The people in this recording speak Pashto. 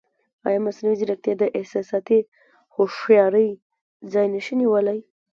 ایا مصنوعي ځیرکتیا د احساساتي هوښیارۍ ځای نه شي نیولی؟